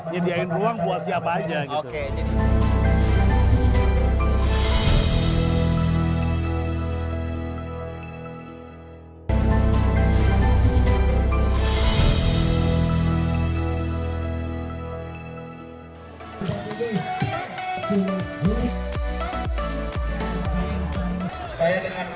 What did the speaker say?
nyediain ruang buat siapa aja gitu